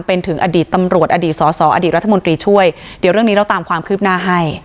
เป็นถึงอดีตตำรวจอดีตสอสออดีตรัฐมนตรีช่วยเดี๋ยวเรื่องนี้เราตามความคืบหน้าให้